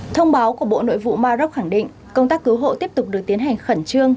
thông báo của bộ nội vụ maroc khẳng định công tác cứu hộ tiếp tục được tiến hành khẩn trương